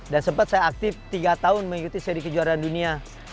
dan sempat saya aktif tiga tahun mengikuti seri kejuaraan dunia